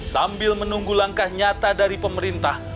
sambil menunggu langkah nyata dari pemerintah